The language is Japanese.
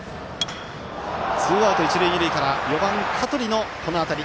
ツーアウト、一塁二塁から４番、香取の当たり。